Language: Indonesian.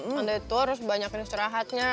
tante itu harus banyakin istirahatnya